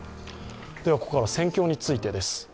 ここからは戦況についてです。